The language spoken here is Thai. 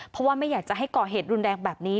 เพราะว่าไม่อยากจะให้ก่อเหตุรุนแรงแบบนี้